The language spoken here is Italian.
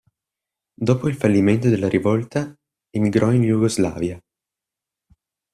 Dopo il fallimento della rivolta emigrò in Jugoslavia.